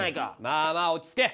まあまあ落ち着け。